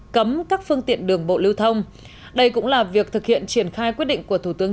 cấm các phương tiện đường bộ lưu thông đây cũng là việc thực hiện triển khai quyết định của thủ tướng